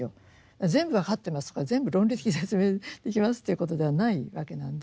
全部分かってますとか全部論理的に説明できますということではないわけなんで。